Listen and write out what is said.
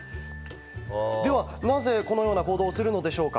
では、なぜこのような行動をするのでしょうか？